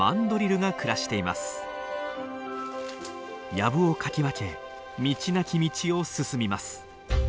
やぶをかき分け道なき道を進みます。